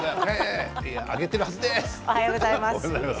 あげているはずです。